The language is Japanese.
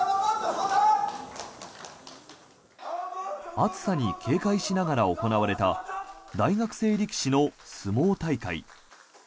暑さに警戒しながら行われた大学生力士の相撲大会。